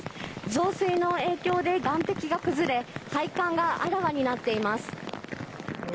増水の影響で岸壁が崩れ配管があらわになっています。